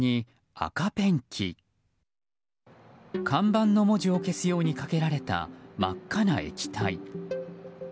看板の文字を消すようにかけられた真っ赤な液体。